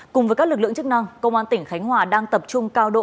cùng với các lực lượng chức năng công an tỉnh khánh hòa đang tập trung cao độ